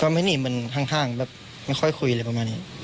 ก็มันทางแบบไม่ค่อยคุยเลยประมาณนี้